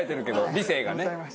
理性がね。